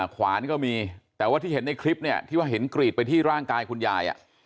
ขวานก็มีแต่ว่าที่เห็นในคลิปเนี่ยที่ว่าเห็นกรีดไปที่ร่างกายคุณยาย